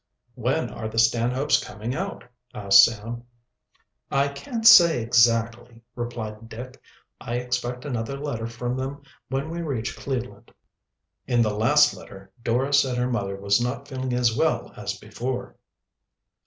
"When are the Stanhopes coming out?" asked Sam. "I can't say, exactly," replied Dick. "I expect another letter from them when we reach Cleveland. In the last letter Dora said her mother was not feeling as well as before."